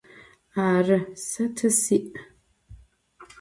Arı, se tı si'.